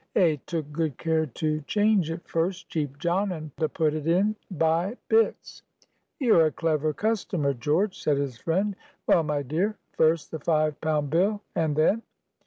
"A took good care to change it first, Cheap John, and a put it in by bits." "You're a clever customer, George," said his friend. "Well, my dear? First, the five pound bill, and then?"